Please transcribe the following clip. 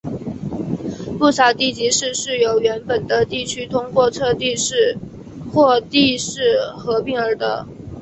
不少地级市是由原本的地区通过撤地设市或地市合并而得。